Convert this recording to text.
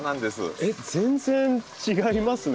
えっ全然違いますね。